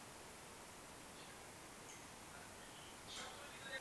Tkaniny tohoto druhu pocházejí pravděpodobně z Dálného východu.